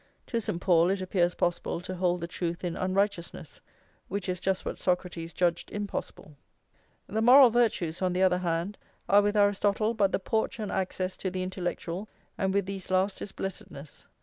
To St. Paul it appears possible to "hold the truth in unrighteousness,"+ which is just what Socrates judged impossible. The moral virtues, on the other hand, are with Aristotle but the porch and access to the intellectual, and with these last is blessedness.